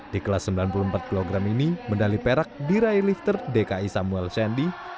di kelas sembilan puluh empat kg ini medali perak diraih lifter dki samuel shandy